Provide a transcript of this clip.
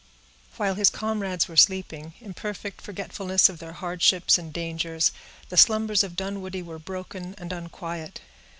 While his comrades were sleeping, in perfect forgetfulness of their hardships and dangers, the slumbers of Dunwoodie were broken and unquiet.